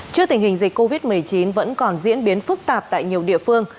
trước tình hình dịch covid một mươi chín vẫn còn diễn biến phức tạp tại nhiều địa phương